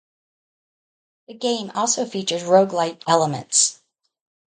The game also features roguelike elements.